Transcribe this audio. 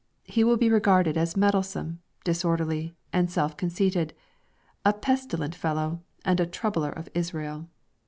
He will be regarded as meddlesome, disorderly, and self conceited, a pestilent fellow, and a troubler of Israel.